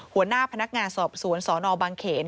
หัวหน้าพนักงานสอบสวนสนบางเขน